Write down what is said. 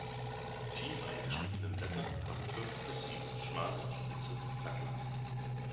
Die tief eingeschnittenen Blätter haben fünf bis sieben schmale, spitze Blattlappen.